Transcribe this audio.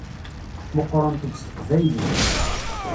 Meqqṛent-d s teqbaylit.